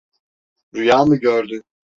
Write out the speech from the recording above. Rüya mı gördün?